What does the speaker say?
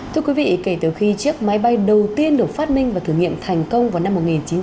thưa quý vị kể từ khi chiếc máy bay đầu tiên được phát minh và thử nghiệm thành công vào năm một nghìn chín trăm bảy mươi